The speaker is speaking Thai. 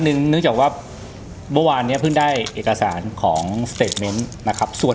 นึงนึกจากว่าเมื่อวานเนี้ยเพิ่งได้เอกสารของนะครับส่วน